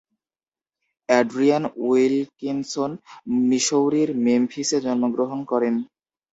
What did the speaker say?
Adrienne Wilkinson মিসৌরির মেমফিসে জন্মগ্রহণ করেন।